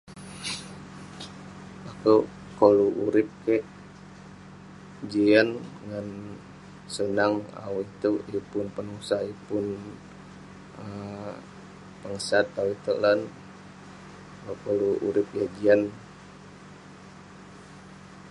Akouk koluk urip kik jian ngan senang awu itouk. yeng pun penusah yeng pun pengesat awu itouk lan. Koluk urip yah jian.